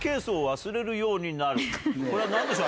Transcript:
これは何でしょう？